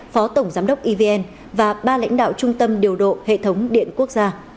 phó tổng giám đốc evn và ba lãnh đạo trung tâm điều độ hệ thống điện quốc gia